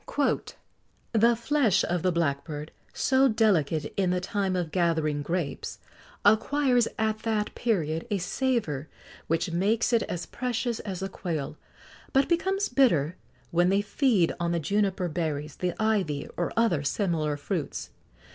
"The flesh of the blackbird, so delicate in the time of gathering grapes, acquires at that period a savour which makes it as precious as the quail, but becomes bitter when they feed on the juniper berries, the ivy, or other similar fruits.